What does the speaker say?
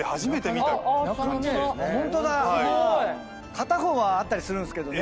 片方はあったりするんすけどね。